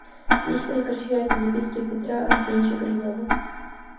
Здесь прекращаются записки Петра Андреевича Гринева.